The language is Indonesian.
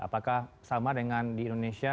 apakah sama dengan di indonesia